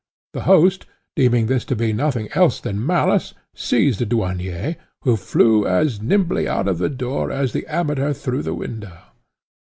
The host, deeming this to be nothing else than malice, seized the Douanier, who flew as nimbly out of the door as the Amateur through the window.